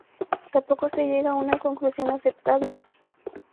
Tampoco se llega a una conclusión aceptable.